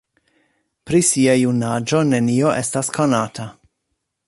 Pri sia junaĝo nenio estas konata.